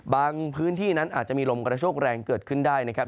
พื้นที่นั้นอาจจะมีลมกระโชคแรงเกิดขึ้นได้นะครับ